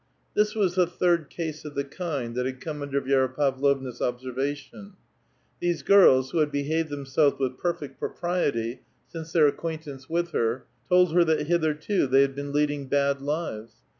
This was the third case of the kind that had come under Vi6ra Pavlovna's observation. These girls, who had behaved themselves with perfect propriety since their acquaintance with her. told her that hitherto they had been leading bad lives.